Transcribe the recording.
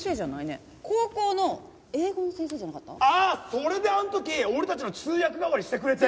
それであの時俺たちの通訳代わりしてくれて。